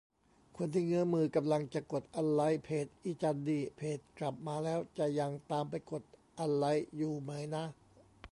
คนที่เงื้อมือกำลังจะกดอันไลก์เพจอีจันนี่ เพจกลับมาแล้วจะยังตามไปกดอันไลก์อยู่ไหมนะ